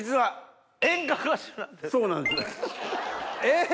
え！